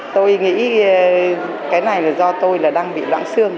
tôi nghĩ cái này là do tôi đang bị loãng xương